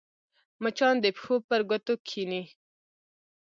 مچان د پښو پر ګوتو کښېني